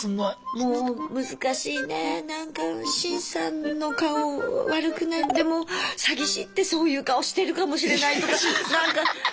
もう難しいねなんかシンさんの顔悪くない詐欺師ってそういう顔してるかもしれないとかなんか。